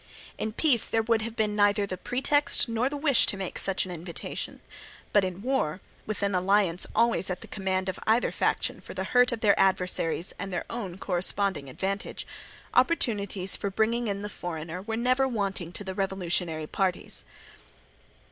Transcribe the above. In peace there would have been neither the pretext nor the wish to make such an invitation; but in war, with an alliance always at the command of either faction for the hurt of their adversaries and their own corresponding advantage, opportunities for bringing in the foreigner were never wanting to the revolutionary parties.